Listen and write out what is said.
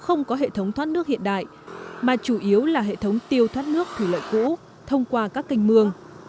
hệ thống chung cư là hệ thống thoát nước hiện đại mà chủ yếu là hệ thống tiêu thoát nước thủy lợi cũ thông qua các kênh mương